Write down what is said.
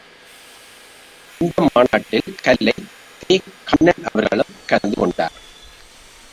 இந்த மாநாட்டில் கல்லை, தே.கண்ணன் அவர்களும் கலந்து கொண்டார்.